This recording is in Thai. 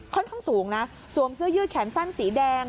ค่อนข้างสูงนะสวมเสื้อยืดแขนสั้นสีแดง